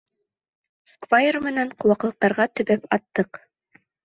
Сквайр менән ҡыуаҡлыҡтарға төбәп аттыҡ.